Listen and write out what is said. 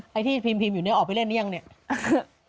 พี่ไอ้ที่พิมพ์อยู่นี่ออกไปเล่นนี้หรือยังเนี่ย